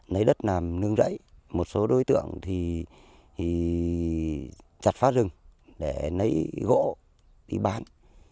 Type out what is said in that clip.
lấy đất làm nương rẫy một số đối tượng thì chặt phá rừng để lấy gỗ đi bán